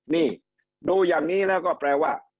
นี่ดูอย่างนี้แล้วก็แปลว่า